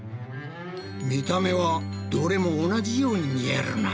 見た目はどれも同じように見えるな。